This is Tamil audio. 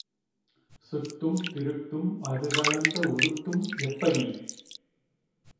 சுருட்டும் திருட்டும் அது கலந்த உருட்டும் எப்படி?